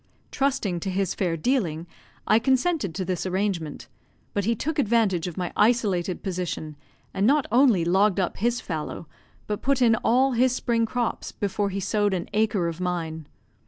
Trusting to his fair dealing, I consented to this arrangement; but he took advantage of my isolated position, and not only logged up his fallow, but put in all his spring crops before he sowed an acre of mine.